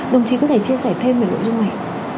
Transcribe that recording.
đồng chí có thể chia sẻ thêm về nội dung này